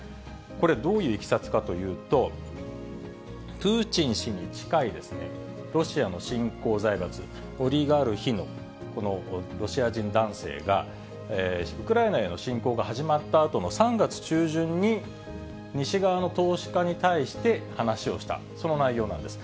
これ、どういういきさつかというと、プーチン氏に近いロシアの新興財閥、オリガルヒのこのロシア人男性が、ウクライナへの侵攻が始まったあとの３月中旬に、西側の投資家に対して話をした、その内容なんです。